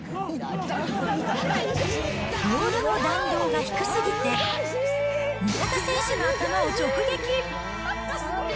ボールの弾道が低すぎて、味方選手の頭を直撃。